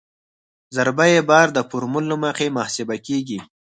ضربه یي بار د فورمول له مخې محاسبه کیږي